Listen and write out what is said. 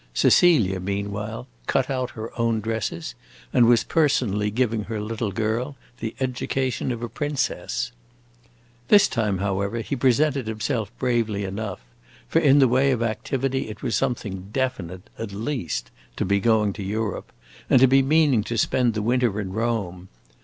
Cecilia, meanwhile, cut out her own dresses, and was personally giving her little girl the education of a princess. This time, however, he presented himself bravely enough; for in the way of activity it was something definite, at least, to be going to Europe and to be meaning to spend the winter in Rome.